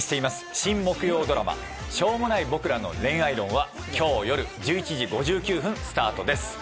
新木曜ドラマ『しょうもない僕らの恋愛論』は今日夜１１時５９分スタートです。